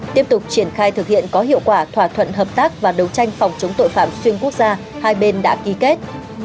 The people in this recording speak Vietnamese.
tiếp tục triển khai thực hiện có hiệu quả thỏa thuận hợp tác và đấu tranh phòng chống tội phạm xuyên quốc gia hai bên đã ký kết